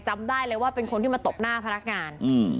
จำได้เลยว่าเป็นคนที่มาตบหน้าพนักงาน